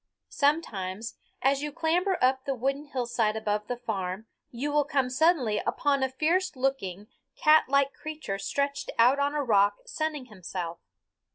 Sometimes, as you clamber up the wooded hillside above the farm, you will come suddenly upon a fierce looking, catlike creature stretched out on a rock sunning himself.